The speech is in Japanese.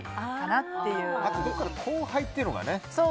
どこかで後輩っていうのがね。